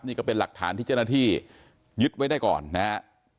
นี่ก็เป็นหลักฐานที่เจ้าหน้าที่ยึดไว้ได้ก่อนนะฮะ